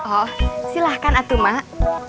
oh silahkan atu mak